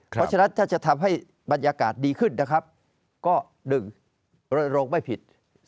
เพราะฉะนั้นถ้าจะทำให้บรรยากาศดีขึ้นนะครับก็๑รณรงค์ไม่ผิด